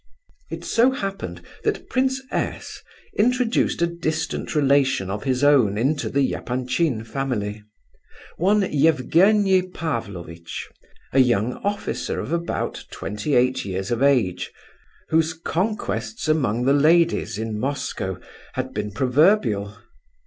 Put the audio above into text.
It so happened that Prince S—— introduced a distant relation of his own into the Epanchin family—one Evgenie Pavlovitch, a young officer of about twenty eight years of age, whose conquests among the ladies in Moscow had been proverbial.